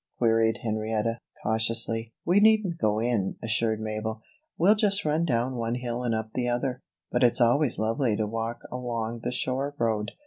queried Henrietta, cautiously. "We needn't go in," assured Mabel. "We'll just run down one hill and up the other; but it's always lovely to walk along the shore road.